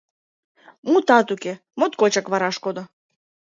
Мутат уке, моткочак вараш кодо.